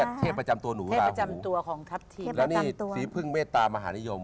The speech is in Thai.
เทพจำตัวหนูครับแล้วนี่สีผึ้งเมตรตามหานิยม